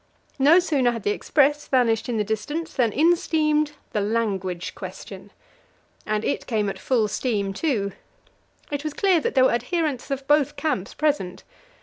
No sooner had the express vanished in the distance than in steamed the language question. And it came at full steam, too. It was clear that there were adherents of both camps present.